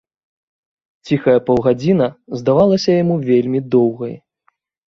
Ціхая паўгадзіна здавалася яму вельмі доўгай.